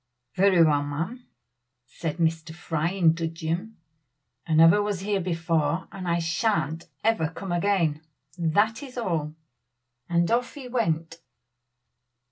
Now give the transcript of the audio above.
"Very well, ma'am!" said Mr. Fry, in dudgeon. "I never was here before, and I shan't ever come again that is all " and off he went.